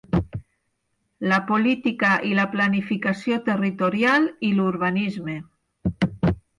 La política i la planificació territorial i l'urbanisme.